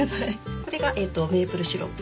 これがメープルシロップ。